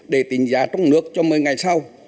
để tính giá trong nước cho một mươi ngày sau